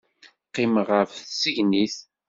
Qqimeɣ ɣef tisegnit.